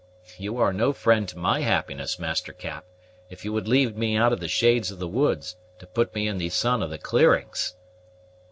You are no friend to my happiness, Master Cap, if you would lead me out of the shades of the woods to put me in the sun of the clearings."